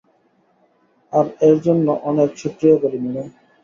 আর এর জন্য অনেক শুকরিয়া করি, ম্যাডাম।